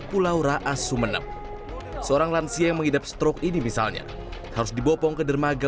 pulau raas sumeneb seorang lansia yang mengidap stroke ini misalnya harus dibopong ke dermaga